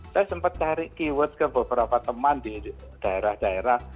saya sempat cari keyword ke beberapa teman di daerah daerah